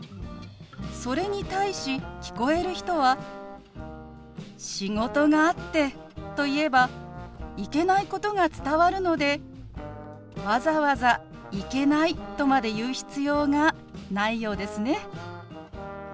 それに対し聞こえる人は「仕事があって」と言えば行けないことが伝わるのでわざわざ「行けない」とまで言う必要がないようですね。